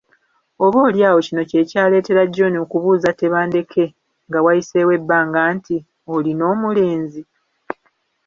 Oba oly’awo kino kye ky’aleetera John okubuuza Tebandeke nga wayiseewo ebbanga nti, “Olina omulenzi?''